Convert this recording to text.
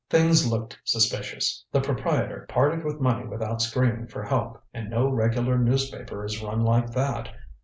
Things looked suspicious the proprietor parted with money without screaming for help, and no regular newspaper is run like that.